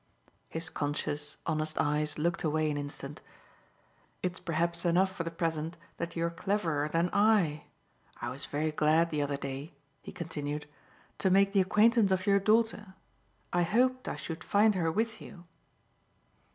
His conscious honest eyes looked away an instant. "It's perhaps enough for the present that you're cleverer than I! I was very glad the other day," he continued, "to make the acquaintance of your daughter. I hoped I should find her with you."